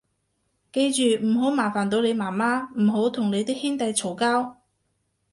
記住唔好麻煩到你媽媽，唔好同你啲兄弟嘈交